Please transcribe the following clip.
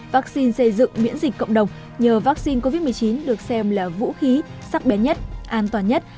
vaccine xây dựng miễn dịch cộng đồng nhờ vaccine covid một mươi chín được xem là vũ khí sắc bén nhất an toàn nhất